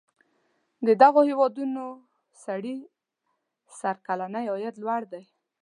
د دغو هیوادونو سړي سر کلنی عاید لوړ دی.